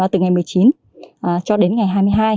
từ ngày một mươi chín cho đến ngày hai mươi hai